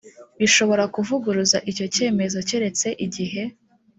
bishobora kuvuguruza icyo cyemezo keretse igihe